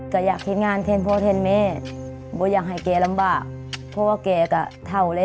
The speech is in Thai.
ก็อยากคิดงานเพราะเพราะเพราะแม่ไม่อยากให้แกลำบากเพราะว่าแกก็เท่าแล้ว